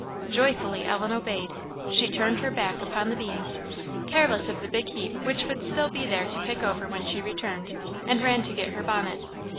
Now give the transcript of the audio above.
Joyfully Ellen obeyed. She turned her back upon the beans, careless of the big heap which would still be there to pick over when she returned, and ran to get her bonnet.